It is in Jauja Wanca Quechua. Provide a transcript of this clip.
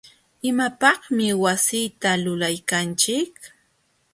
¿imapaqmi wasita lulaykanchik?